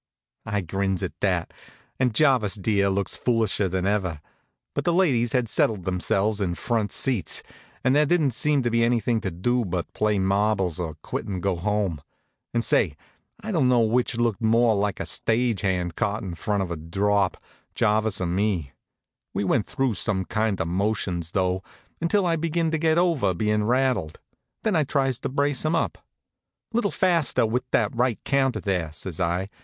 I grins at that, and Jarvis dear looks foolisher than ever. But the ladies had settled themselves in front seats, and there didn't seem to be anything to do but to play marbles or quit an' go home. And say, I don't know which looked more like a stage hand caught in front of the drop, Jarvis or me. We went through some kind of motions, though, until I begins to get over bein' rattled. Then I tries to brace him up. "Little faster with that right counter there," says I.